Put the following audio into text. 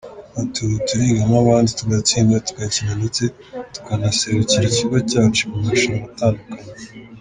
Ati “Ubu turiga nk’abandi tugatsinda, tugakina ndetse tukanaserukira ikigo cyacu mu marushanwa atandukanye.